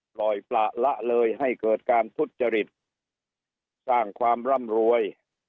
ปล่อยประละเลยให้เกิดการทุจริตสร้างความร่ำรวย